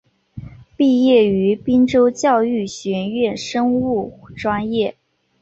毕业于滨州教育学院生物专业。